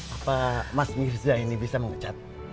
apa mas mirja ini bisa mengecat